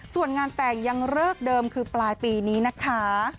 ส่วนงานแต่งยังเลิกเดิมคือปลายปีนี้นะคะ